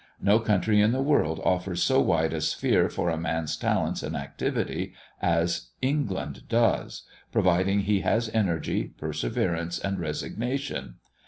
No country in the world offers so wide a sphere for a man's talents and activity as England does, provided he has energy, perseverance, and resignation.